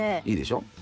いいでしょ？